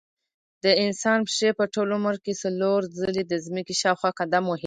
د انسان پښې په ټول عمر کې څلور ځلې د ځمکې شاوخوا قدم وهي.